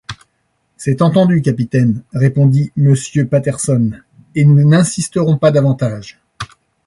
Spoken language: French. C’est entendu, capitaine, répondit Monsieur Patterson, et nous n’insisterons pas davantage.